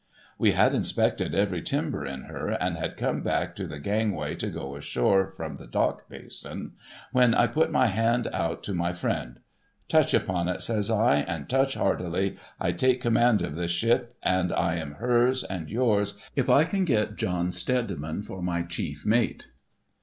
\Vc had inspected every timber in her, and had come back to the gangway to go ashore from the dock basin, when I put out my hand to my friend. ' Touch upon it,' says I, ' and touch heartily. I take command of this ship, and I am hers and yours, if I can get John Steadiman for my chief mate.'